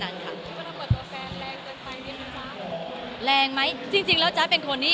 และถ้าเป็นความชอบแฟนแรงเกินไหม